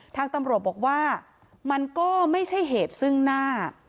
ทางตำรวจบอกว่ามันก็ไม่ใช่เหตุซึ่งหน้า